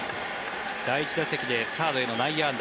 第１打席でサードへの内野安打。